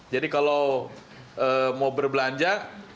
jadi kalau mau berbelanja